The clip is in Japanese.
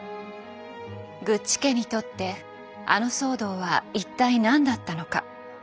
グッチ家にとってあの騒動は一体何だったのか。